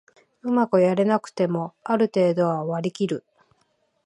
うまくやれなくてもある程度は割りきる